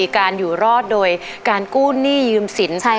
การอยู่รอดโดยการกู้หนี้ยืมสิน